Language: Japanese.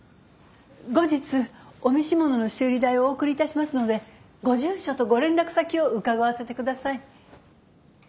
後日お召し物の修理代をお送りいたしますのでご住所とご連絡先を伺わせてください。